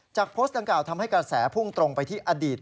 โพสต์ดังกล่าทำให้กระแสพุ่งตรงไปที่อดีต